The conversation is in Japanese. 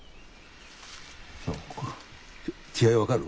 違い分かる？